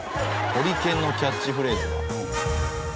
「“ホリケンのキャッチフレーズは？”」